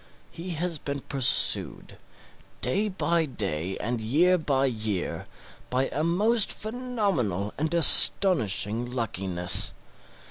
He has been pursued, day by day and year by year, by a most phenomenal and astonishing luckiness.